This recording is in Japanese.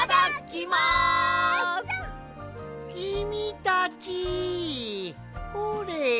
きみたちほれ！